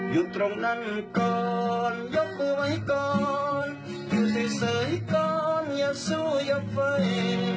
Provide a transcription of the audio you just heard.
อยู่ตรงนั้นก่อนยกมือไว้ก่อนอยู่เฉยก่อนอย่าสู้อย่าไฟ